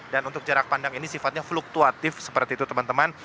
dan untuk jarak pandang ini sifatnya fluktuatif seperti itu teman teman